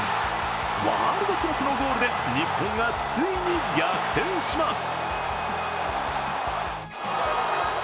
ワールドクラスのゴールで日本がついに逆転します。